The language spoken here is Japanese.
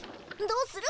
どうする？